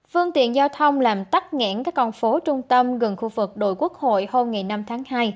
phương tiện giao thông làm tắt nghẽn các con phố trung tâm gần khu vực đội quốc hội hôm hai